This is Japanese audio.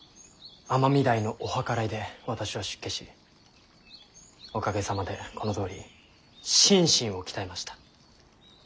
尼御台のお計らいで私は出家しおかげさまでこのとおり心身を鍛えました。